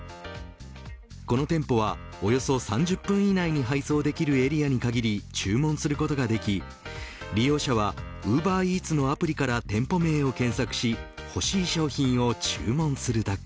この店舗は、およそ３０分以内に配送できるエリアに限り注文することができ利用者はウーバーイーツのアプリから店舗名を検索し欲しい商品を注文するだけ。